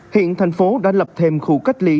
hiện thành phố đã lập thêm khu cách ly